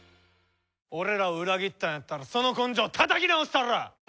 俺らを裏切ったんやったらその根性たたき直したるわ！